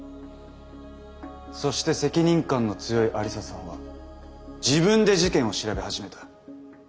そして責任感の強い愛理沙さんは自分で事件を調べ始めた。